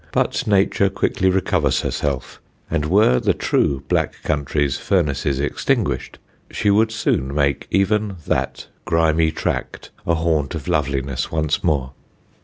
but nature quickly recovers herself, and were the true Black Country's furnaces extinguished, she would soon make even that grimy tract a haunt of loveliness once more.